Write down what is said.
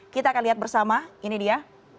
kita akan lihat bersama ini dia